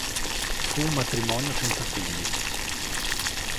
Fu un matrimonio senza figli.